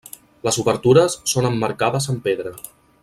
Les obertures són emmarcades amb pedra.